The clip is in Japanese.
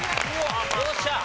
よっしゃ！